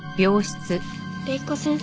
礼子先生。